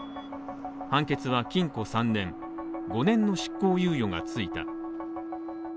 判決は禁錮３年、５年の執行猶予がついた。